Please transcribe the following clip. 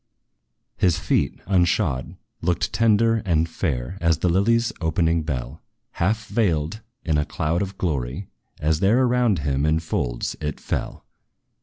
His feet, unshod, looked tender and fair, As the lily's opening bell, Half veiled in a cloud of glory, as there Around him, in folds, it fell.